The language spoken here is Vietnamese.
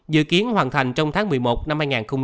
dự kiến hoàn thành trong tháng một mươi một năm hai nghìn hai mươi